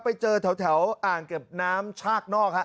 ไปเจอแถวอ่างเก็บน้ำชากนอกฮะ